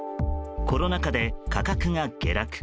コロナ禍で価格が下落。